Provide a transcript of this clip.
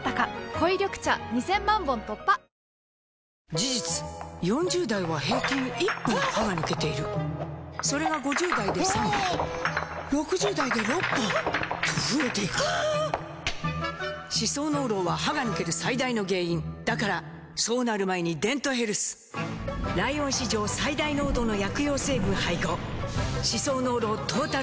事実４０代は平均１本歯が抜けているそれが５０代で３本６０代で６本と増えていく歯槽膿漏は歯が抜ける最大の原因だからそうなる前に「デントヘルス」ライオン史上最大濃度の薬用成分配合歯槽膿漏トータルケア！